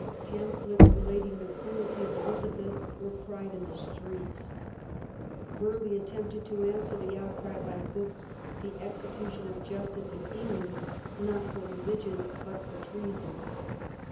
Pamphlets relating the cruelty of Elizabeth were cried in the streets. Burghley attempted to answer the outcry by a book. The Execution of Justice in England, not for Religion, but for Treason.